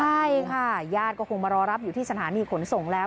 ใช่ค่ะญาติก็คงมารอรับอยู่ที่สถานีขนส่งแล้ว